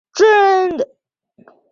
嘎达梅林人。